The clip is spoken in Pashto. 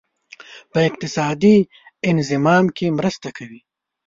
په اقتصادي انضمام کې مرسته کوي.